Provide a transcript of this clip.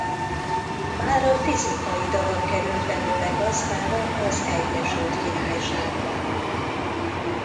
Mára fizikai darab került belőle gazdára az Egyesült Királyságban.